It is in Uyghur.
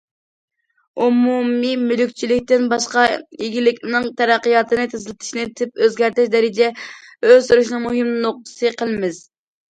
ئومۇمىي مۈلۈكچىلىكتىن باشقا ئىگىلىكنىڭ تەرەققىياتىنى تېزلىتىشنى تىپ ئۆزگەرتىش، دەرىجە ئۆستۈرۈشنىڭ مۇھىم نۇقتىسى قىلىمىز.